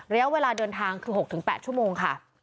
ระยะเวลาเดินทางคือ๖๘ชั่วโมงค่ะ